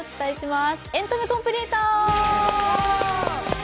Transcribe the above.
「エンタメコンプリート」！